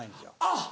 あっ。